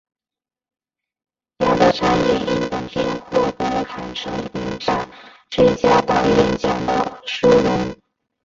杨德昌也因本片获得坎城影展最佳导演奖的殊荣。